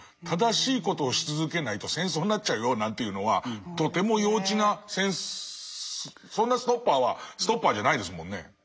正しいことをし続けないと戦争になっちゃうよなんていうのはとても幼稚なそんなストッパーはストッパーじゃないですもんね。